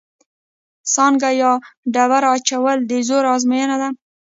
سانګه یا ډبره اچول د زور ازموینه ده.